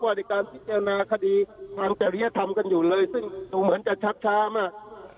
ในการพิจารณาคดีทางจริยธรรมกันอยู่เลยซึ่งดูเหมือนจะชักช้ามาก